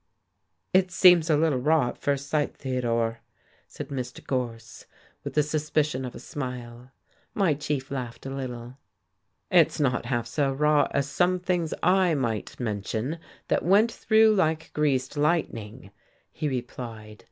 "It seems a little raw, at first sight, Theodore," said Mr. Gorse, with the suspicion of a smile. My chief laughed a little. "It's not half so raw as some things I might mention, that went through like greased lightning," he replied.